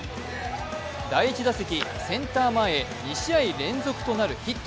第１打席、センター前へ２試合連続となるヒット。